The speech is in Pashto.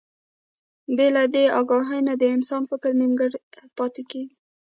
بې له دې اګاهي نه د انسان فکر نيمګړی پاتې کېږي.